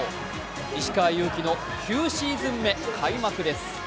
石川祐希の９シーズン目、開幕です。